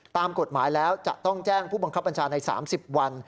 ตามกฎหมายแล้วจะต้องแจ้งผู้บังคับบัญชาใน๓๐วัน